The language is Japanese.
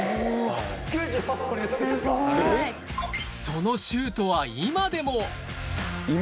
そのシュートは今でも今？